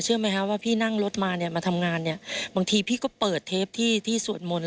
เชื่อไหมครับว่าพี่นั่งรถมาทำงานบางทีพี่ก็เปิดเทปที่สวดมนตร์